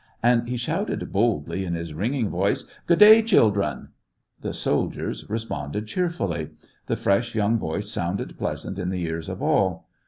And he shouted boldly, in his ringing voice :— "Good day, children !" The soldiers responded cheerfully. The fresh, young voice sounded pleasant in the ears of all.